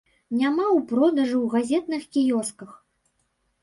Няма ў продажы ў газетных кіёсках.